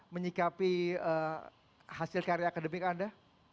menyikapi hasil karya akademik anda